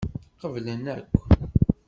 Qeblen akk.